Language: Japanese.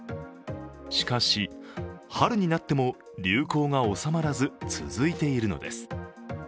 しかし、春になっても流行が収まらず続いているのです。